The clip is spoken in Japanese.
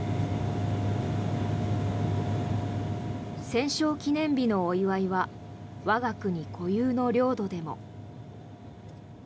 戦勝記念日のお祝いは我が国固有の領土でも。